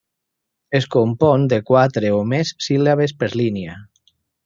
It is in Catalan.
Es compon de quatre o més síl·labes per línia.